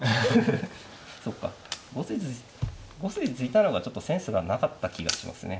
５筋突いたのがちょっとセンスがなかった気がしますね。